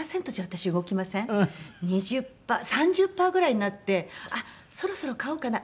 ２０パー３０パーぐらいになってそろそろ買おうかな。